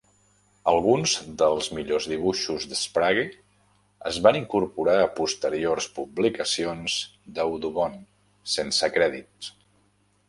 Alguns dels millors dibuixos de Sprague es van incorporar a posteriors publicacions d'Audubon, sense crèdits.